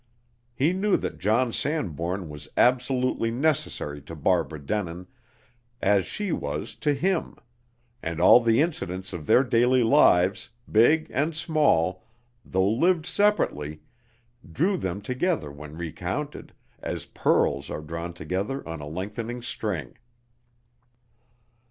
He knew that John Sanbourne was absolutely necessary to Barbara Denin, as she was to him; and all the incidents of their daily lives, big and small, though lived separately, drew them together when recounted, as pearls are drawn together on a lengthening string.